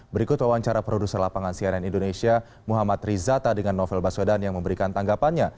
berikut wawancara produser lapangan cnn indonesia muhammad rizata dengan novel baswedan yang memberikan tanggapannya